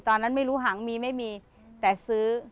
ตอนนั้นไม่รู้หางมีไม่มีแต่ซื้อ